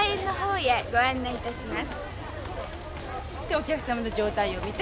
お客様の状態を見て。